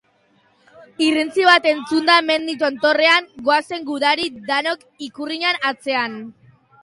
Irrintzi bat entzunda mendi tontorrean, goazen gudari danok Ikurriñan atzean.